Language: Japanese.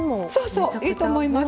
そういいと思います。